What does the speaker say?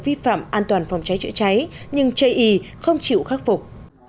vi phạm an toàn phòng cháy trựa cháy nhưng j e không chịu khắc phục